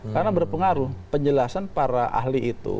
karena berpengaruh penjelasan para ahli itu